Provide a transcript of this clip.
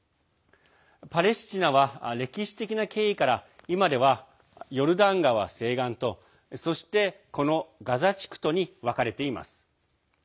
パレスチナは歴史的な経緯から今ではヨルダン川西岸とそして、このガザ地区とに分かれています。